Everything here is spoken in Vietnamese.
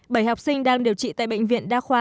bảy học sinh đang điều trị tại bệnh viện đa khoa